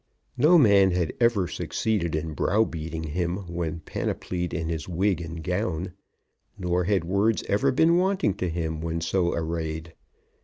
No man had ever succeeded in browbeating him when panoplied in his wig and gown; nor had words ever been wanting to him when so arrayed.